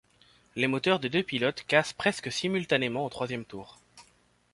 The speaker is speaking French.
Les moteurs des deux pilotes cassent presque simultanément au troisième tour.